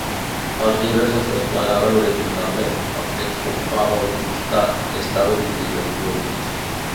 Els llibres es desplegaven horitzontalment; el text ocupava un costat i estava dividit en columnes.